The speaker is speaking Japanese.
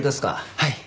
はい。